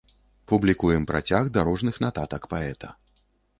Публікуем працяг дарожных нататак паэта.